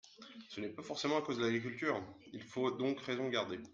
Ce n’est pas forcément à cause de l’agriculture ! Il faut donc raison garder.